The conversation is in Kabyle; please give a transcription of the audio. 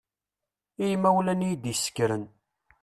I yimawlan i yi-d-isekren.